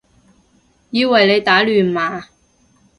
以為你打亂碼